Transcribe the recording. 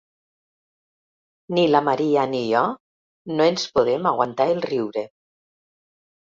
Ni la Maria ni jo no ens podem aguantar el riure.